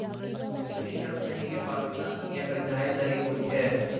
کوئی شک نہیں پاکستان دنیا کا جاھل ترین ملک ہے